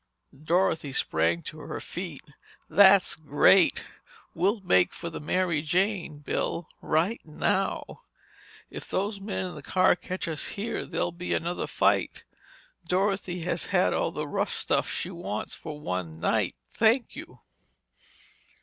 Dorothy sprang to her feet. "That's great! We'll make for the Mary Jane, Bill, right now. If those men in the car catch us here there'll be another fight. Dorothy has had all the rough stuff she wants for one night, thank you!"